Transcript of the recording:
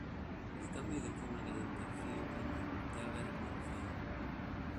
El cambio de clima de caliente a frío clima ya haber comenzado.".